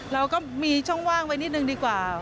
เราก็มีช่องว่างไว้นิดนึงดีกว่า